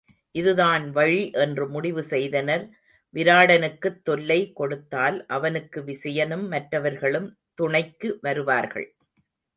இது தான்வழி என்று முடிவு செய்தனர் விராடனுக்குத் தொல்லை கொடுத்தால் அவனுக்கு விசயனும் மற்றவர்களும் துணைக்கு வருவார்கள்.